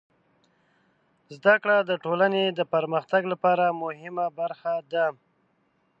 زدهکړه د ټولنې د پرمختګ لپاره مهمه برخه ده.